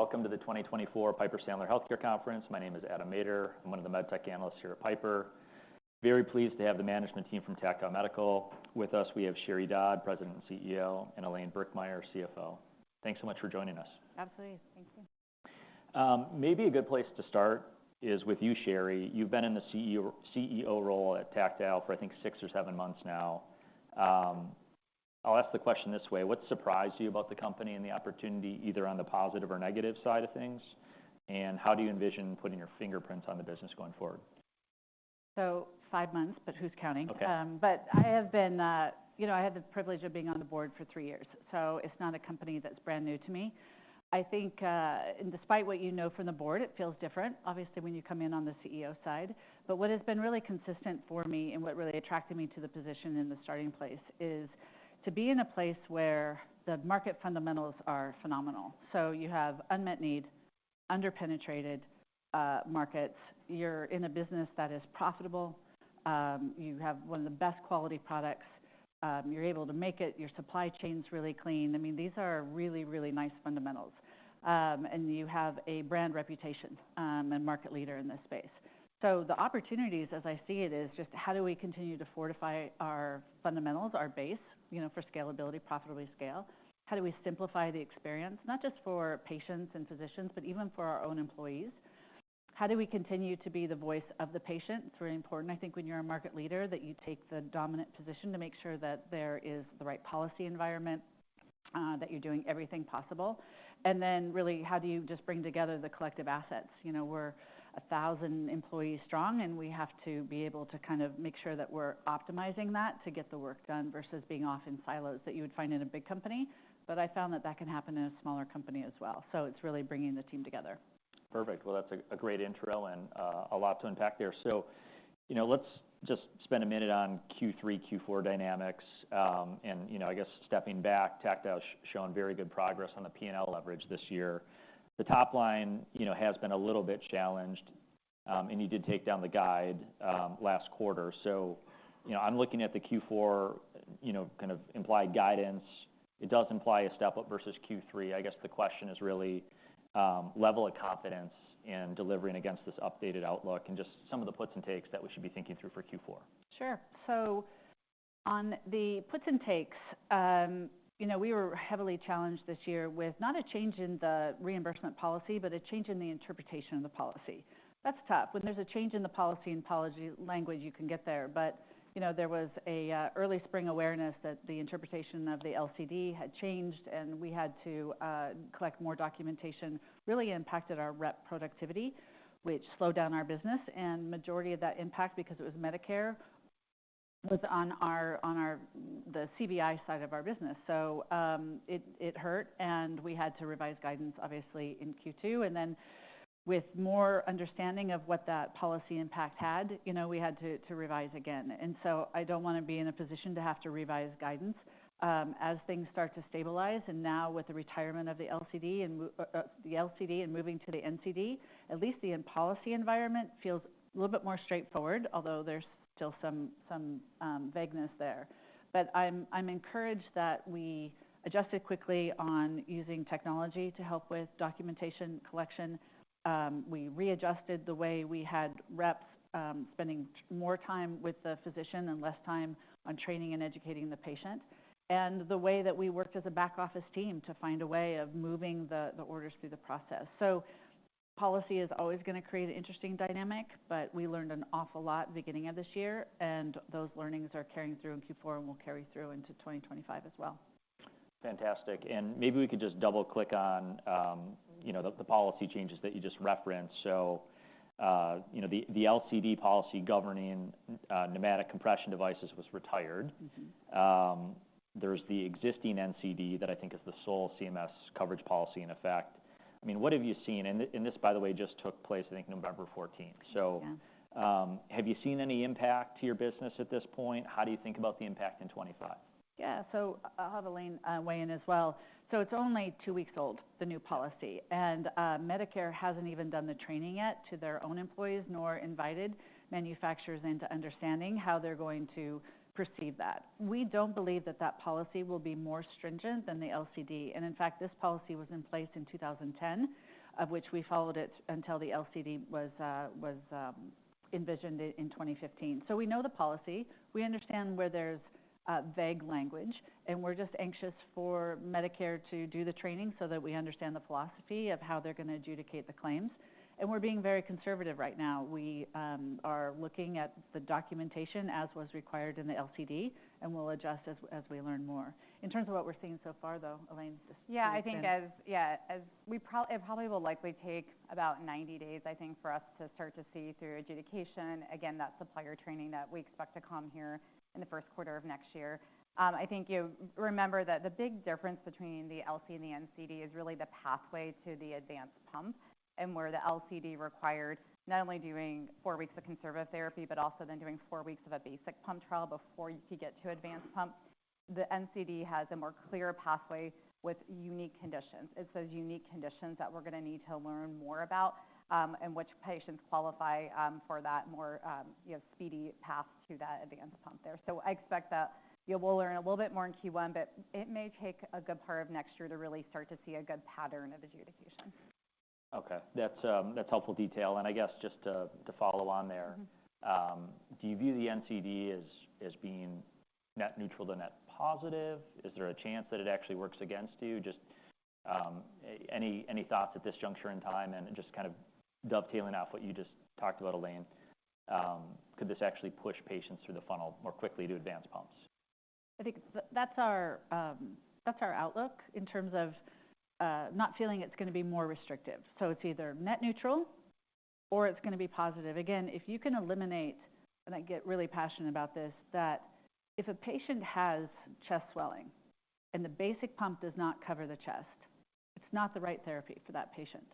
Welcome to the 2024 Piper Sandler Healthcare Conference. My name is Adam Maeder. I'm one of the med tech analysts here at Piper. Very pleased to have the management team from Tactile Medical with us. We have Sheri Dodd, President and CEO, and Elaine Birkemeyer, CFO. Thanks so much for joining us. Absolutely. Thank you. Maybe a good place to start is with you, Sheri. You've been in the CEO role at Tactile for, I think, six or seven months now. I'll ask the question this way: What surprised you about the company and the opportunity, either on the positive or negative side of things? And how do you envision putting your fingerprints on the business going forward? So, five months, but who's counting? Okay. But I have been, you know, I had the privilege of being on the board for three years, so it's not a company that's brand new to me. I think, and despite what you know from the board, it feels different, obviously, when you come in on the CEO side. But what has been really consistent for me and what really attracted me to the position in the starting place is to be in a place where the market fundamentals are phenomenal. So you have unmet need, underpenetrated markets. You're in a business that is profitable. You have one of the best quality products. You're able to make it. Your supply chain's really clean. I mean, these are really, really nice fundamentals. And you have a brand reputation and market leader in this space. So the opportunities, as I see it, is just how do we continue to fortify our fundamentals, our base, you know, for scalability, profitably scale? How do we simplify the experience, not just for patients and physicians, but even for our own employees? How do we continue to be the voice of the patient? It's really important, I think, when you're a market leader that you take the dominant position to make sure that there is the right policy environment, that you're doing everything possible. And then really, how do you just bring together the collective assets? You know, we're 1,000 employees strong, and we have to be able to kind of make sure that we're optimizing that to get the work done versus being off in silos that you would find in a big company. But I found that that can happen in a smaller company as well. So it's really bringing the team together. Perfect. Well, that's a great intro and a lot to unpack there. So, you know, let's just spend a minute on Q3, Q4 dynamics. And, you know, I guess stepping back, Tactile's shown very good progress on the P&L leverage this year. The top line, you know, has been a little bit challenged, and you did take down the guide last quarter. So, you know, I'm looking at the Q4, you know, kind of implied guidance. It does imply a step up versus Q3. I guess the question is the real level of confidence in delivering against this updated outlook and just some of the puts and takes that we should be thinking through for Q4. Sure. So on the puts and takes, you know, we were heavily challenged this year with not a change in the reimbursement policy, but a change in the interpretation of the policy. That's tough. When there's a change in the policy and policy language, you can get there. But, you know, there was an early spring awareness that the interpretation of the LCD had changed, and we had to collect more documentation. Really impacted our rep productivity, which slowed down our business. And the majority of that impact, because it was Medicare, was on our—the CVI side of our business. So it hurt, and we had to revise guidance, obviously, in Q2. And then with more understanding of what that policy impact had, you know, we had to revise again. And so I don't want to be in a position to have to revise guidance as things start to stabilize. And now with the retirement of the LCD and moving to the NCD, at least the policy environment feels a little bit more straightforward, although there's still some vagueness there. But I'm encouraged that we adjusted quickly on using technology to help with documentation collection. We readjusted the way we had reps spending more time with the physician and less time on training and educating the patient, and the way that we worked as a back office team to find a way of moving the orders through the process. So policy is always going to create an interesting dynamic, but we learned an awful lot beginning of this year, and those learnings are carrying through in Q4 and will carry through into 2025 as well. Fantastic. And maybe we could just double-click on, you know, the policy changes that you just referenced. So, you know, the LCD policy governing pneumatic compression devices was retired. There's the existing NCD that I think is the sole CMS coverage policy in effect. I mean, what have you seen? And this, by the way, just took place, I think, November 14th. So have you seen any impact to your business at this point? How do you think about the impact in 2025? Yeah. So I'll have Elaine weigh in as well. So it's only two weeks old, the new policy. And Medicare hasn't even done the training yet to their own employees, nor invited manufacturers into understanding how they're going to perceive that. We don't believe that that policy will be more stringent than the LCD. And in fact, this policy was in place in 2010, of which we followed it until the LCD was envisioned in 2015. So we know the policy. We understand where there's vague language, and we're just anxious for Medicare to do the training so that we understand the philosophy of how they're going to adjudicate the claims. And we're being very conservative right now. We are looking at the documentation as was required in the LCD, and we'll adjust as we learn more. In terms of what we're seeing so far, though, Elaine, just. Yeah, I think as we probably will likely take about 90 days, I think, for us to start to see through adjudication. Again, that supplier training that we expect to come here in the Q`1 of next year. I think, you know, remember that the big difference between the LCD and the NCD is really the pathway to the advanced pump and where the LCD required not only doing four weeks of conservative therapy, but also then doing four weeks of a basic pump trial before you could get to advanced pump. The NCD has a more clear pathway with unique conditions. It's those unique conditions that we're going to need to learn more about and which patients qualify for that more, you know, speedy path to that advanced pump there. So I expect that, you know, we'll learn a little bit more in Q1, but it may take a good part of next year to really start to see a good pattern of adjudication. Okay. That's helpful detail. And I guess just to follow on there, do you view the NCD as being net neutral to net positive? Is there a chance that it actually works against you? Just any thoughts at this juncture in time and just kind of dovetailing off what you just talked about, Elaine, could this actually push patients through the funnel more quickly to advanced pumps? I think that's our outlook in terms of not feeling it's going to be more restrictive. So it's either net neutral or it's going to be positive. Again, if you can eliminate, and I get really passionate about this, that if a patient has chest swelling and the basic pump does not cover the chest, it's not the right therapy for that patient.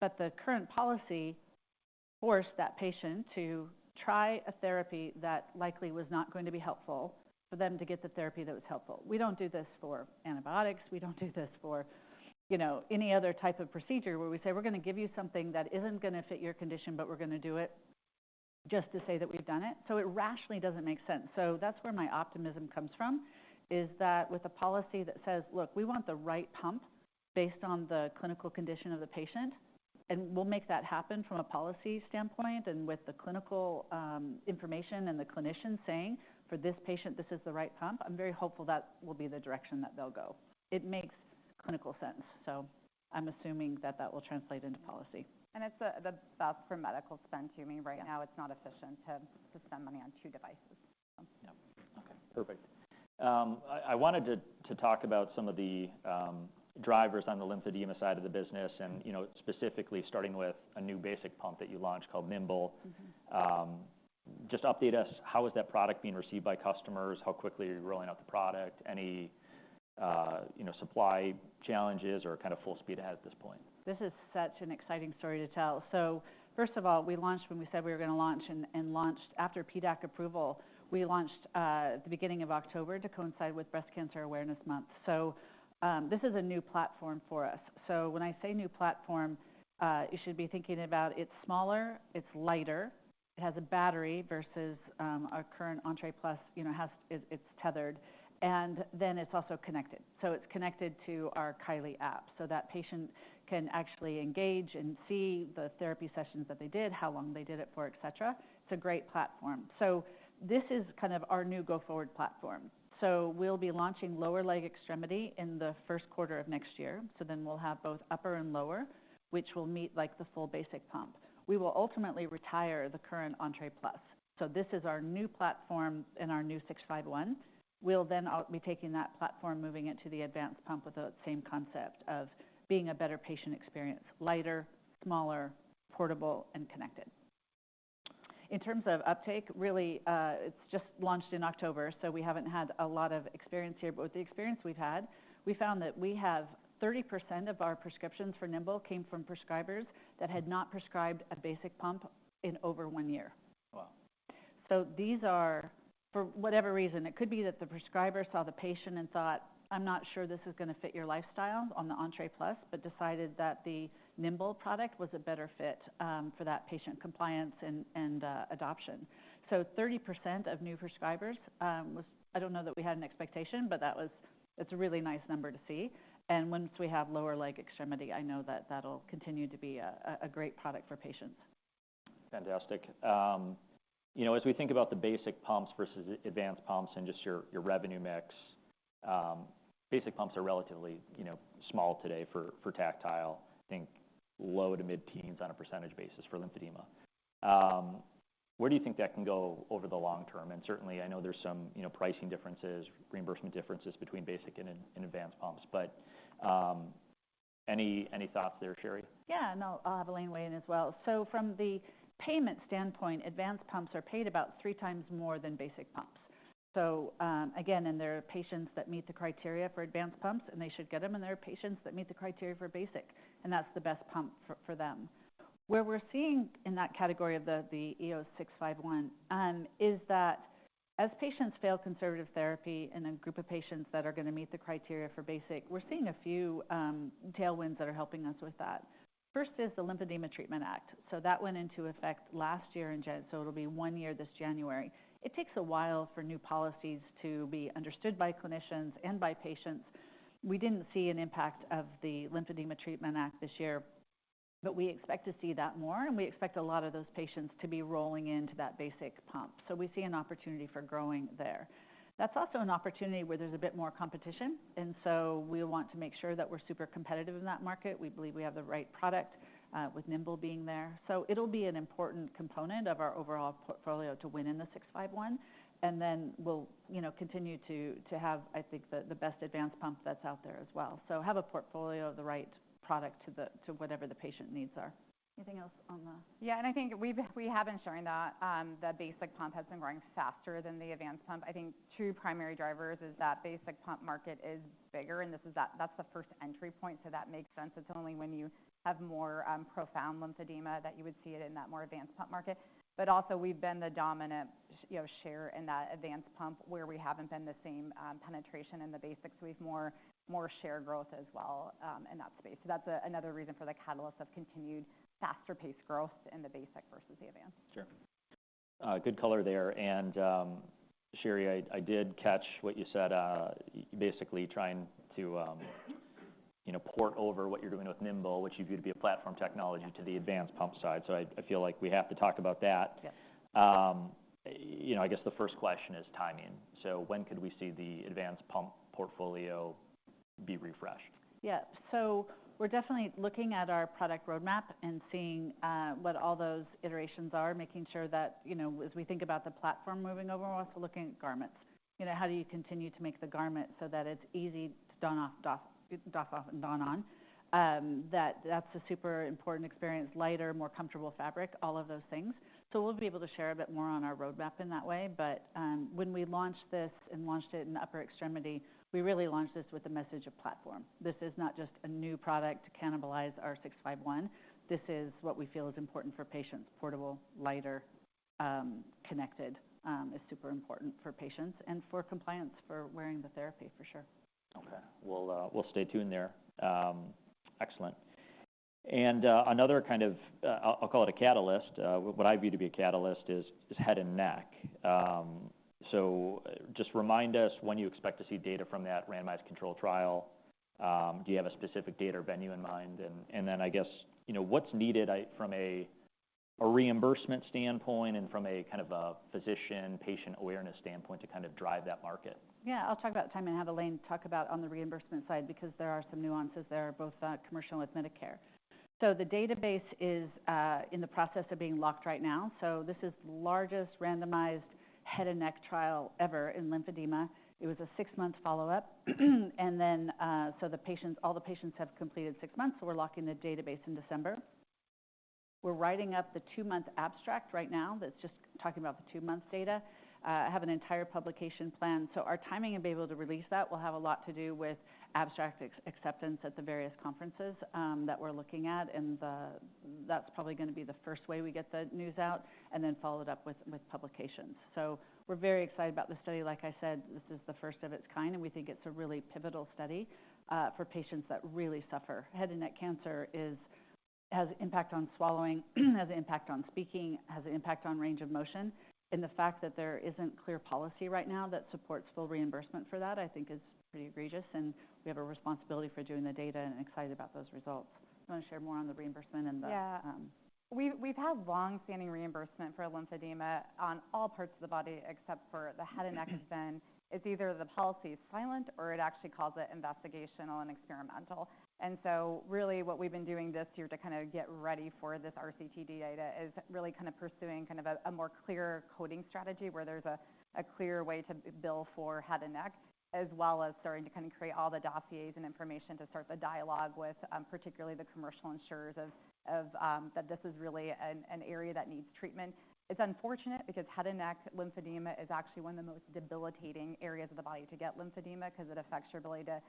But the current policy forced that patient to try a therapy that likely was not going to be helpful for them to get the therapy that was helpful. We don't do this for antibiotics. We don't do this for, you know, any other type of procedure where we say, "We're going to give you something that isn't going to fit your condition, but we're going to do it just to say that we've done it." So it rationally doesn't make sense. So that's where my optimism comes from, is that with a policy that says, "Look, we want the right pump based on the clinical condition of the patient," and we'll make that happen from a policy standpoint. And with the clinical information and the clinician saying, "For this patient, this is the right pump," I'm very hopeful that will be the direction that they'll go. It makes clinical sense. So I'm assuming that that will translate into policy. It's the best for medical spend to me right now. It's not efficient to spend money on two devices. Yep. Okay. Perfect. I wanted to talk about some of the drivers on the lymphedema side of the business and, you know, specifically starting with a new basic pump that you launched called Nimble. Just update us, how is that product being received by customers? How quickly are you rolling out the product? Any, you know, supply challenges or kind of full speed ahead at this point? This is such an exciting story to tell. So first of all, we launched when we said we were going to launch and launched after PDAC approval. We launched at the beginning of October to coincide with Breast Cancer Awareness Month. So this is a new platform for us. So when I say new platform, you should be thinking about it's smaller, it's lighter, it has a battery versus our current Entré Plus, you know, it's tethered, and then it's also connected. So it's connected to our Kylee app so that patient can actually engage and see the therapy sessions that they did, how long they did it for, et cetera. It's a great platform. So this is kind of our new go-forward platform. So we'll be launching lower leg extremity in the Q1 of next year. So then we'll have both upper and lower, which will meet like the full basic pump. We will ultimately retire the current Entré Plus. So this is our new platform and our new E0651. We'll then be taking that platform, moving it to the advanced pump with the same concept of being a better patient experience: lighter, smaller, portable, and connected. In terms of uptake, really, it's just launched in October, so we haven't had a lot of experience here. But with the experience we've had, we found that we have 30% of our prescriptions for Nimble came from prescribers that had not prescribed a basic pump in over one year. Wow. So these are, for whatever reason, it could be that the prescriber saw the patient and thought, "I'm not sure this is going to fit your lifestyle on the Entré Plus," but decided that the Nimble product was a better fit for that patient compliance and adoption. So 30% of new prescribers was—I don't know that we had an expectation, but that was—it's a really nice number to see. And once we have lower leg extremity, I know that that'll continue to be a great product for patients. Fantastic. You know, as we think about the basic pumps versus advanced pumps and just your revenue mix, basic pumps are relatively, you know, small today for Tactile. I think low to mid-teens on a percentage basis for lymphedema. Where do you think that can go over the long term? And certainly, I know there's some, you know, pricing differences, reimbursement differences between basic and advanced pumps, but any thoughts there, Sheri? Yeah. And I'll have Elaine weigh in as well. So from the payment standpoint, advanced pumps are paid about three times more than basic pumps. So again, and there are patients that meet the criteria for advanced pumps, and they should get them. And there are patients that meet the criteria for basic, and that's the best pump for them. Where we're seeing in that category of the E0651 is that as patients fail conservative therapy and a group of patients that are going to meet the criteria for basic, we're seeing a few tailwinds that are helping us with that. First is the Lymphedema Treatment Act. So that went into effect last year in January. So it'll be one year this January. It takes a while for new policies to be understood by clinicians and by patients. We didn't see an impact of the Lymphedema Treatment Act this year, but we expect to see that more, and we expect a lot of those patients to be rolling into that basic pump. So we see an opportunity for growing there. That's also an opportunity where there's a bit more competition. And so we want to make sure that we're super competitive in that market. We believe we have the right product with Nimble being there. So it'll be an important component of our overall portfolio to win in the E0651. And then we'll, you know, continue to have, I think, the best advanced pump that's out there as well. So have a portfolio of the right product to whatever the patient needs are. Anything else on the? Yeah. And I think we've been showing that the basic pump has been growing faster than the advanced pump. I think two primary drivers is that basic pump market is bigger, and this is that's the first entry point. So that makes sense. It's only when you have more profound lymphedema that you would see it in that more advanced pump market. But also we've been the dominant, you know, share in that advanced pump where we haven't been the same penetration in the basics. We've more share growth as well in that space. So that's another reason for the catalyst of continued faster-paced growth in the basic versus the advanced. Sure. Good color there, and Sheri, I did catch what you said, basically trying to, you know, port over what you're doing with Nimble, which you view to be a platform technology, to the advanced pump side, so I feel like we have to talk about that. You know, I guess the first question is timing, so when could we see the advanced pump portfolio be refreshed? Yeah, so we're definitely looking at our product roadmap and seeing what all those iterations are, making sure that, you know, as we think about the platform moving over, we're also looking at garments. You know, how do you continue to make the garment so that it's easy to don and doff? That's a super important experience: lighter, more comfortable fabric, all of those things, so we'll be able to share a bit more on our roadmap in that way, but when we launched this and launched it in upper extremity, we really launched this with the message of platform. This is not just a new product to cannibalize our 651. This is what we feel is important for patients: portable, lighter, connected. It's super important for patients and for compliance for wearing the therapy, for sure. Okay. We'll stay tuned there. Excellent, and another kind of, I'll call it a catalyst. What I view to be a catalyst is head and neck. So just remind us when you expect to see data from that randomized control trial. Do you have a specific data or venue in mind? And then I guess, you know, what's needed from a reimbursement standpoint and from a kind of a physician-patient awareness standpoint to kind of drive that market? Yeah. I'll talk about time and have Elaine talk about on the reimbursement side because there are some nuances there both commercial and with Medicare, so the database is in the process of being locked right now. This is the largest randomized head and neck lymphedema trial ever. It was a six-month follow-up, and then the patients, all the patients, have completed six months, so we're locking the database in December. We're writing up the two-month abstract right now that's just talking about the two-month data. I have an entire publication planned, so our timing of being able to release that will have a lot to do with abstract acceptance at the various conferences that we're looking at. And that's probably going to be the first way we get the news out and then followed up with publications, so we're very excited about the study. Like I said, this is the first of its kind, and we think it's a really pivotal study for patients that really suffer. Head and neck cancer has an impact on swallowing, has an impact on speaking, has an impact on range of motion. And the fact that there isn't clear policy right now that supports full reimbursement for that, I think is pretty egregious. And we have a responsibility for doing the data and excited about those results. You want to share more on the reimbursement and the? Yeah. We've had longstanding reimbursement for lymphedema on all parts of the body except for the head and neck. It's been either the policy is silent or it actually calls it investigational and experimental. And so really what we've been doing this year to kind of get ready for this RCT data is really kind of pursuing kind of a more clear coding strategy where there's a clear way to bill for head and neck, as well as starting to kind of create all the dossiers and information to start the dialogue with particularly the commercial insurers of that this is really an area that needs treatment. It's unfortunate because head and neck lymphedema is actually one of the most debilitating areas of the body to get lymphedema because it affects your ability to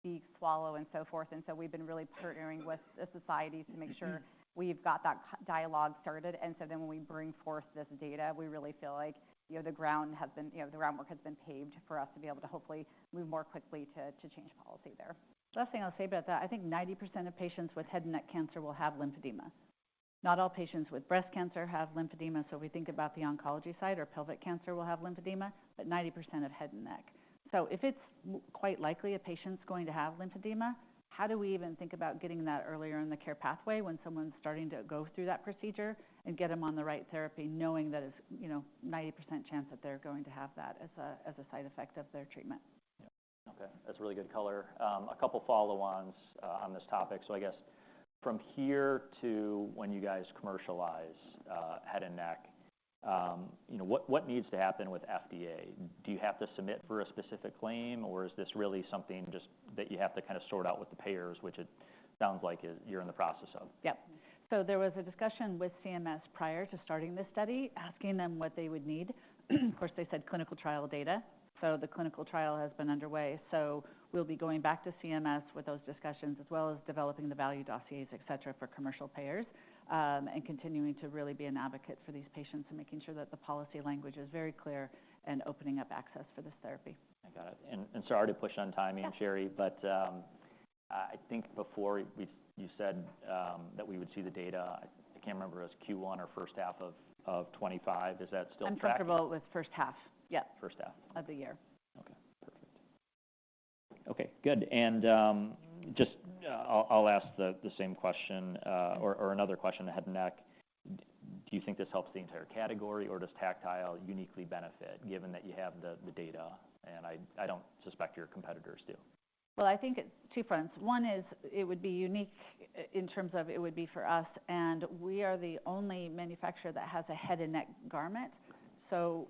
speak, swallow, and so forth. And so we've been really partnering with the societies to make sure we've got that dialogue started. And so then when we bring forth this data, we really feel like, you know, the ground has been, you know, the groundwork has been paved for us to be able to hopefully move more quickly to change policy there. Last thing I'll say about that, I think 90% of patients with head and neck cancer will have lymphedema. Not all patients with breast cancer have lymphedema. So if we think about the oncology side or pelvic cancer, we'll have lymphedema, but 90% of head and neck. So if it's quite likely a patient's going to have lymphedema, how do we even think about getting that earlier in the care pathway when someone's starting to go through that procedure and get them on the right therapy, knowing that it's, you know, 90% chance that they're going to have that as a side effect of their treatment? Yeah. Okay. That's really good color. A couple follow-ons on this topic. So I guess from here to when you guys commercialize head and neck, you know, what needs to happen with FDA? Do you have to submit for a specific claim, or is this really something just that you have to kind of sort out with the payers, which it sounds like you're in the process of? Yep. So there was a discussion with CMS prior to starting this study asking them what they would need. Of course, they said clinical trial data. So the clinical trial has been underway. So we'll be going back to CMS with those discussions as well as developing the value dossiers, et cetera, for commercial payers and continuing to really be an advocate for these patients and making sure that the policy language is very clear and opening up access for this therapy. I got it. And sorry to push on timing, Sheri, but I think before you said that we would see the data, I can't remember, it was Q1 or first half of 2025. Is that still true? I'm comfortable with first half. Yeah. First half. Of the year. Okay. Perfect. Okay. Good. And just I'll ask the same question or another question to head and neck. Do you think this helps the entire category, or does Tactile uniquely benefit given that you have the data? And I don't suspect your competitors do. I think it's two fronts. One is it would be unique in terms of it would be for us. And we are the only manufacturer that has a head and neck garment. So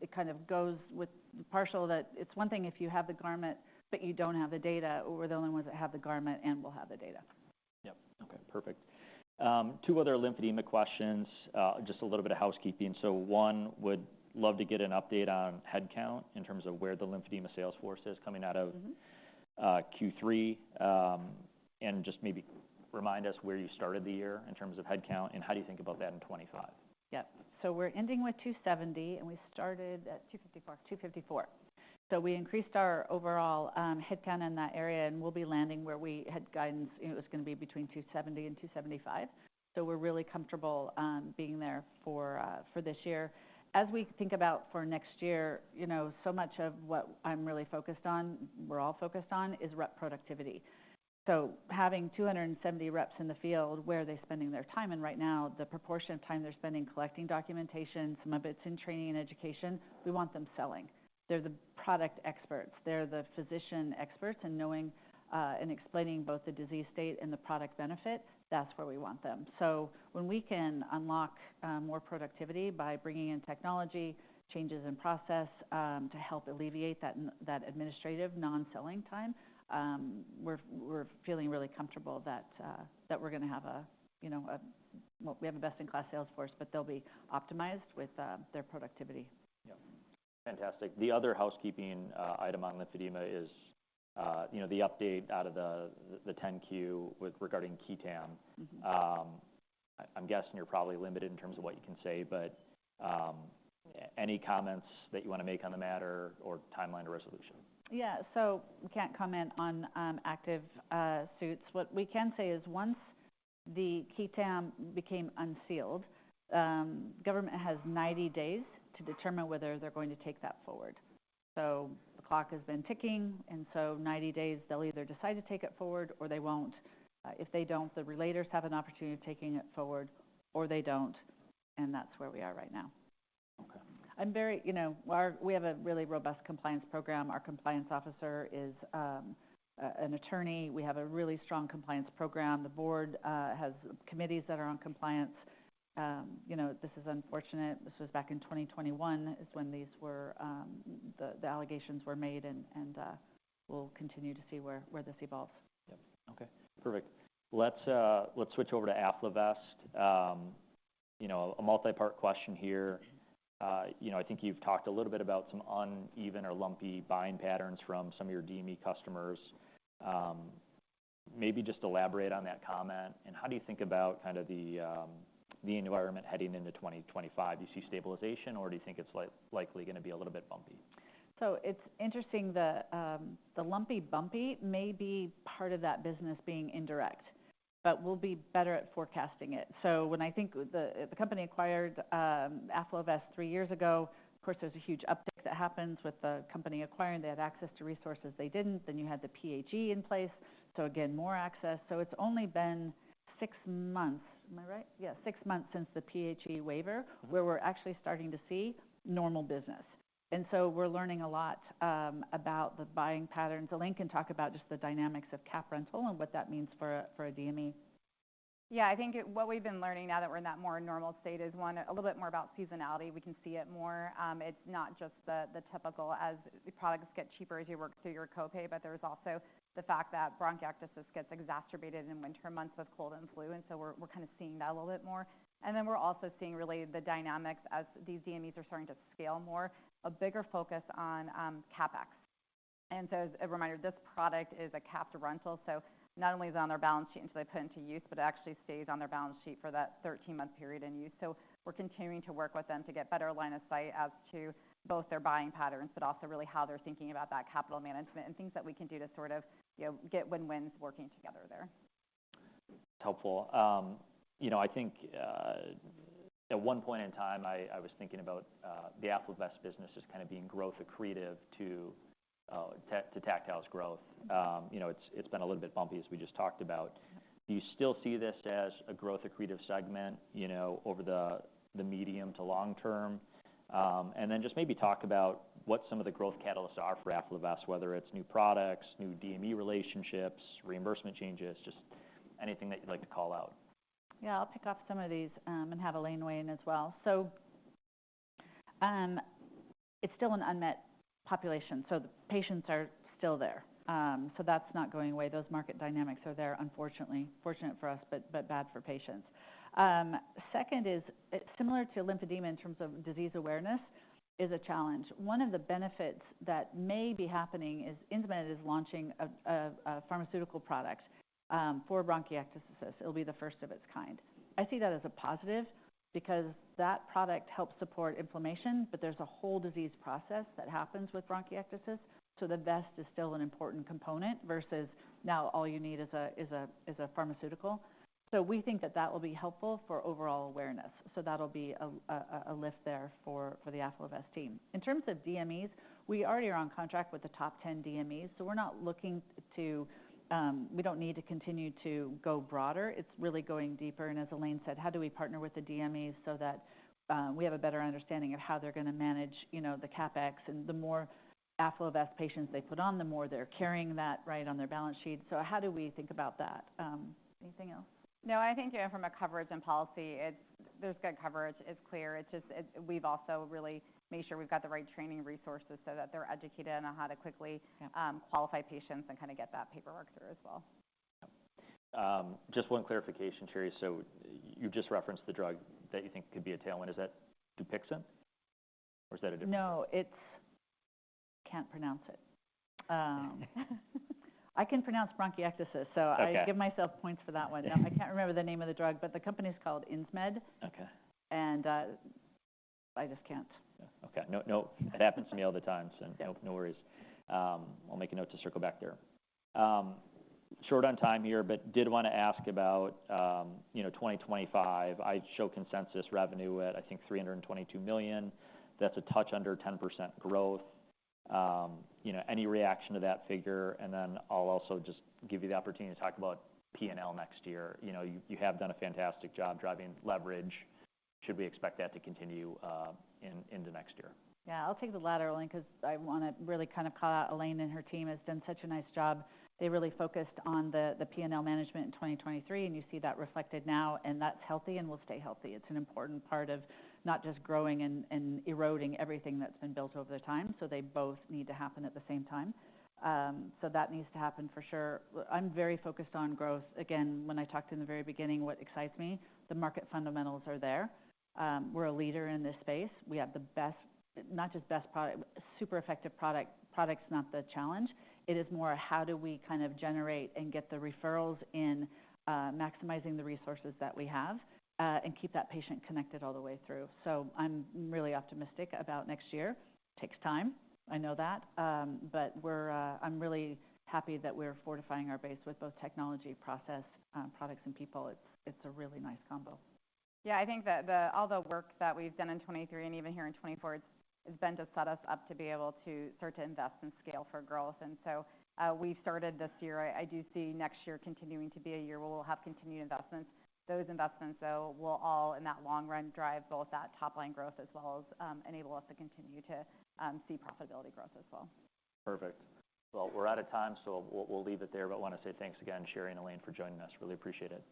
it kind of goes with the partial that it's one thing if you have the garment, but you don't have the data. We're the only ones that have the garment and will have the data. Yep. Okay. Perfect. Two other lymphedema questions, just a little bit of housekeeping. So one would love to get an update on head count in terms of where the lymphedema sales force is coming out of Q3 and just maybe remind us where you started the year in terms of head count and how do you think about that in 2025? Yep. So we're ending with 270, and we started at 254. So we increased our overall head count in that area, and we'll be landing where we had guidance it was going to be between 270 and 275. So we're really comfortable being there for this year. As we think about for next year, you know, so much of what I'm really focused on, we're all focused on, is rep productivity. So having 270 reps in the field, where are they spending their time in right now? The proportion of time they're spending collecting documentation, some of it's in training and education. We want them selling. They're the product experts. They're the physician experts. And knowing and explaining both the disease state and the product benefit, that's where we want them. When we can unlock more productivity by bringing in technology, changes in process to help alleviate that administrative non-selling time, we're feeling really comfortable that we're going to have a, you know, we have a best-in-class sales force, but they'll be optimized with their productivity. Yep. Fantastic. The other housekeeping item on lymphedema is, you know, the update out of the 10-Q regarding qui tam. I'm guessing you're probably limited in terms of what you can say, but any comments that you want to make on the matter or timeline to resolution? Yeah. So we can't comment on active suits. What we can say is once the qui tam became unsealed, government has 90 days to determine whether they're going to take that forward. So the clock has been ticking. And so 90 days, they'll either decide to take it forward or they won't. If they don't, the relators have an opportunity of taking it forward or they don't. And that's where we are right now. Okay. I'm very, you know, we have a really robust compliance program. Our compliance officer is an attorney. We have a really strong compliance program. The board has committees that are on compliance. You know, this is unfortunate. This was back in 2021 is when these were the allegations were made, and we'll continue to see where this evolves. Yep. Okay. Perfect. Let's switch over to AffloVest. You know, a multi-part question here. You know, I think you've talked a little bit about some uneven or lumpy buying patterns from some of your DME customers. Maybe just elaborate on that comment. And how do you think about kind of the environment heading into 2025? Do you see stabilization, or do you think it's likely going to be a little bit bumpy? It's interesting. The lumpy bumpy may be part of that business being indirect, but we'll be better at forecasting it. When I think the company acquired AffloVest three years ago, of course, there's a huge uptick that happens with the company acquiring. They had access to resources they didn't. Then you had the PHE in place. So again, more access. It's only been six months, am I right? Yeah, six months since the PHE waiver where we're actually starting to see normal business. And so we're learning a lot about the buying patterns. Elaine can talk about just the dynamics of capped rental and what that means for a DME. Yeah. I think what we've been learning now that we're in that more normal state is one, a little bit more about seasonality. We can see it more. It's not just the typical as products get cheaper as you work through your copay, but there's also the fact that bronchiectasis gets exacerbated in winter months with cold and flu, and so we're kind of seeing that a little bit more, and then we're also seeing really the dynamics as these DMEs are starting to scale more, a bigger focus on CapEx, and so as a reminder, this product is a capped rental, so not only is it on their balance sheet until they put it into use, but it actually stays on their balance sheet for that 13-month period in use, so we're continuing to work with them to get better line of sight as to both their buying patterns, but also really how they're thinking about that capital management and things that we can do to sort of, you know, get win-wins working together there. That's helpful. You know, I think at one point in time, I was thinking about the AffloVest business as kind of being growth accretive to Tactile's growth. You know, it's been a little bit bumpy, as we just talked about. Do you still see this as a growth accretive segment, you know, over the medium to long term? And then just maybe talk about what some of the growth catalysts are for AffloVest, whether it's new products, new DME relationships, reimbursement changes, just anything that you'd like to call out. Yeah. I'll pick off some of these and have Elaine weigh in as well. So it's still an unmet population. So the patients are still there. So that's not going away. Those market dynamics are there, unfortunately. Fortunate for us, but bad for patients. Second is similar to lymphedema in terms of disease awareness is a challenge. One of the benefits that may be happening is Insmed is launching a pharmaceutical product for bronchiectasis. It'll be the first of its kind. I see that as a positive because that product helps suppress inflammation, but there's a whole disease process that happens with bronchiectasis. So the vest is still an important component versus now all you need is a pharmaceutical. So we think that that will be helpful for overall awareness. So that'll be a lift there for the AffloVest team. In terms of DMEs, we already are on contract with the top 10 DMEs. So we're not looking to, we don't need to continue to go broader. It's really going deeper. And as Elaine said, how do we partner with the DMEs so that we have a better understanding of how they're going to manage, you know, the CapEx? And the more AffloVest patients they put on, the more they're carrying that right on their balance sheet. So how do we think about that? Anything else? No, I think, you know, from a coverage and policy, there's good coverage. It's clear. It's just we've also really made sure we've got the right training resources so that they're educated on how to quickly qualify patients and kind of get that paperwork through as well. Yep. Just one clarification, Sheri. So you just referenced the drug that you think could be a tailwind. Is that Dupixent? Or is that a different? No, it's I can't pronounce it. I can pronounce bronchiectasis, so I give myself points for that one. I can't remember the name of the drug, but the company's called Insmed. Okay. I just can't. Yeah. Okay. No, no. It happens to me all the time, so no worries. I'll make a note to circle back there. Short on time here, but did want to ask about, you know, 2025. I show consensus revenue at, I think, $322 million. That's a touch under 10% growth. You know, any reaction to that figure? And then I'll also just give you the opportunity to talk about P&L next year. You know, you have done a fantastic job driving leverage. Should we expect that to continue into next year? Yeah. I'll take the latter, Elaine, because I want to really kind of call out Elaine and her team. It's been such a nice job. They really focused on the P&L management in 2023, and you see that reflected now, and that's healthy and will stay healthy. It's an important part of not just growing and eroding everything that's been built over time, so they both need to happen at the same time, so that needs to happen for sure. I'm very focused on growth. Again, when I talked in the very beginning, what excites me, the market fundamentals are there. We're a leader in this space. We have the best, not just best product, super effective product. Product's not the challenge. It is more how do we kind of generate and get the referrals in, maximizing the resources that we have and keep that patient connected all the way through. So I'm really optimistic about next year. Takes time. I know that. But I'm really happy that we're fortifying our base with both technology, process, products, and people. It's a really nice combo. Yeah. I think that all the work that we've done in 2023 and even here in 2024 has been to set us up to be able to start to invest and scale for growth. And so we've started this year. I do see next year continuing to be a year where we'll have continued investments. Those investments, though, will all in that long run drive both that top-line growth as well as enable us to continue to see profitability growth as well. Perfect. Well, we're out of time, so we'll leave it there. But I want to say thanks again, Sheri and Elaine, for joining us. Really appreciate it.